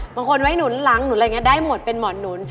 บางคนไว้หนุนหลังได้หมดเป็นหมอนหนุน